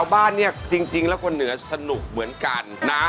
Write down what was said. บ้านเนี่ยจริงแล้วคนเหนือสนุกเหมือนกันนะ